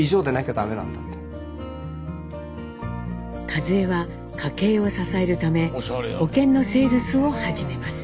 和江は家計を支えるため保険のセールスを始めます。